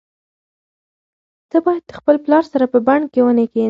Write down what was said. ته باید د خپل پلار سره په بڼ کې ونې کښېنوې.